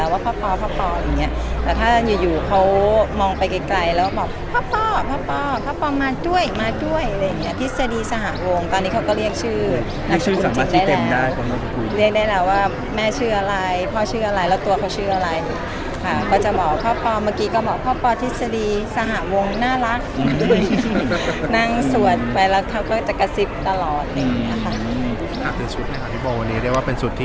ว่าพ่อปออย่างนี้แต่ถ้าอยู่เขามองไปไกลแล้วบอกพ่อปอพ่อปอพ่อปอมาด้วยมาด้วยอะไรอย่างนี้ทฤษฎีสหาวงศ์ตอนนี้เขาก็เรียกชื่อเรียกชื่อสมัครชีเต็มได้เรียกได้แล้วว่าแม่ชื่ออะไรพ่อชื่ออะไรแล้วตัวเขาชื่ออะไรก็จะบอกพ่อปอเมื่อกี้ก็บอกพ่อปอทฤษฎีสหาวงศ์น่ารักนั่งสวดไปแล้ว